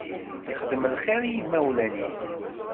Yexdem lxiṛ i yimawlan-is.